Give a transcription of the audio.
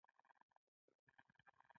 ایا زه باید په زابل کې اوسم؟